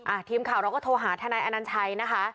ทีมข่าวเราก็โทรหาทนายอนัญชัยนะคะ